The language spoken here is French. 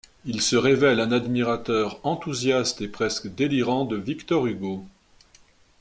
Il se révèle un admirateur enthousiaste et presque délirant de Victor Hugo.